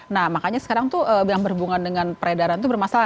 nah makanya sekarang tuh yang berhubungan dengan peredaran itu bermasalah